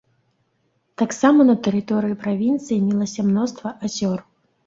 Таксама на тэрыторыі правінцыі мелася мноства азёр.